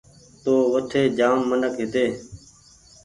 تو وٺي جآم منک هيتي